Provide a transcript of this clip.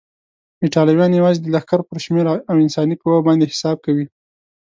ایټالویان یوازې د لښکر پر شمېر او انساني قواوو باندې حساب کوي.